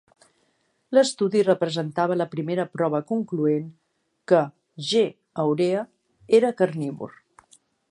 L'estudi representava la primera prova concloent que "G. aurea" era carnívor.